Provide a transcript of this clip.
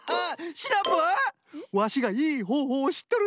シナプーワシがいいほうほうをしっとるんじゃ！